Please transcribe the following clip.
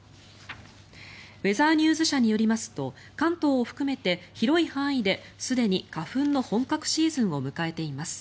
ウェザーニューズ社によりますと関東を含めて広い範囲ですでに花粉の本格シーズンを迎えています。